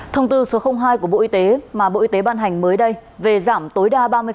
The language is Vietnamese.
thông tư số hai của bộ y tế mà bộ y tế ban hành mới đây về giảm tối đa ba mươi